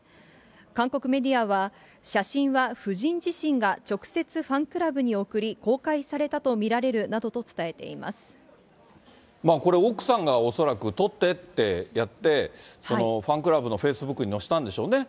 韓国メディアは、写真は夫人自身が直接ファンクラブに送り、公開されたと見られるこれ、奥さんが恐らく撮ってってやって、ファンクラブのフェイスブックに載せたんでしょうね。